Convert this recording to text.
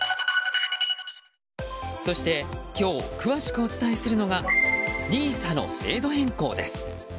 そして、今日詳しくお伝えするのがＮＩＳＡの制度変更です。